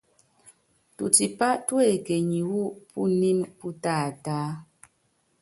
Tutipá tuekenyi wu punímɛ pú taatá.